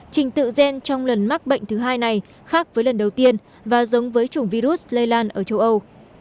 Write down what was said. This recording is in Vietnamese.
trình tự gen trong lần mắc bệnh thứ hai này khác với lần đầu tiên và giống với chủng virus lây lan ở châu âu